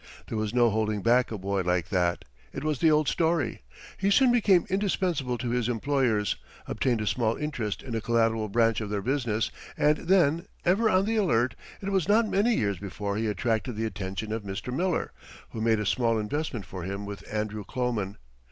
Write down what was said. There was no holding back a boy like that. It was the old story. He soon became indispensable to his employers, obtained a small interest in a collateral branch of their business; and then, ever on the alert, it was not many years before he attracted the attention of Mr. Miller, who made a small investment for him with Andrew Kloman.